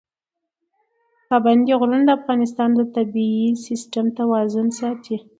پابندي غرونه د افغانستان د طبعي سیسټم توازن ساتي.